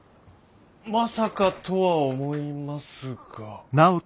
まさかとは思いますが。